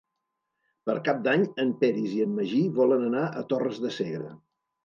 Per Cap d'Any en Peris i en Magí volen anar a Torres de Segre.